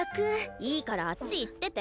いいからあっち行ってて。